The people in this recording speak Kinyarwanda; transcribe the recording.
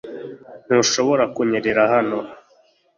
Ntushobora kunyerera hano .